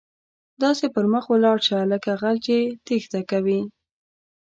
داسې پر مخ ولاړ شه، لکه غل چې ټیښته کوي.